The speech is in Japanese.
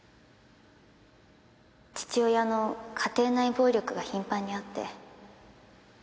父親の家庭内暴力が頻繁にあって。